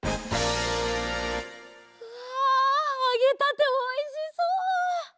わあげたておいしそう！